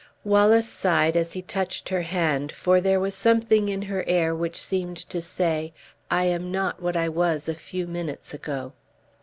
Wallace sighed as he touched her hand, for there was something in her air which seemed to say, "I am not what I was a few minutes ago."